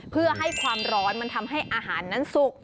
เพื่อให้ความร้อนมันทำให้อาหารนั้นสุก